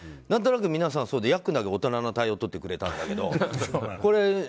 何となく皆さんそうでヤックンだけ大人の対応とってくれたんだけど。